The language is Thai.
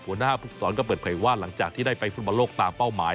หัวหน้าภูกษรก็เปิดเผยว่าหลังจากที่ได้ไปฟุตบอลโลกตามเป้าหมาย